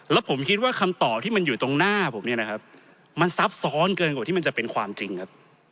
แล้วผมคิดว่าคำตอบที่มันอยู่ตรงหน้าผมเนี่ยนะครับมันซับซ้อนเกินกว่าที่มันจะเป็นความจริงครับ